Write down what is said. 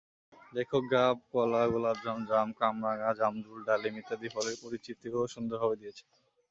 লেখক গাব, কলা, গোলাপজাম, জাম, কামরাঙা, জামরুল, ডালিম ইত্যাদি ফলের পরিচিতিও সুন্দরভাবে দিয়েছেন।